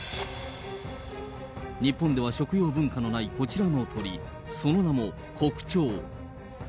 日本では食用文化のないこちらの鳥、その名も、コクチョウ。